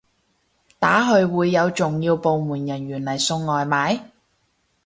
打去會有重要部門人員嚟送外賣？